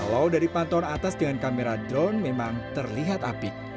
kalau dari pantauan atas dengan kamera drone memang terlihat apik